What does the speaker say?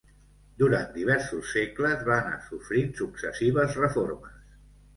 Durant diversos segles va anar sofrint successives reformes.